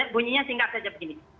bunyinya singkat saja begini